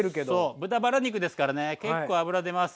豚バラ肉ですからね結構脂出ます。